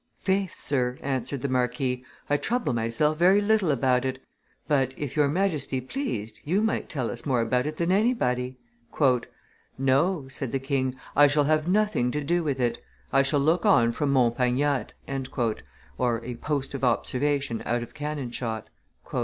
"Faith, sir," answered the marquis, "I trouble myself very little about it; but if your Majesty pleased, you might tell us more about it than anybody." "No," said the king; "I shall have nothing to do with it; I shall look on from Mont Pagnotte" (a post of observation out of cannon shot).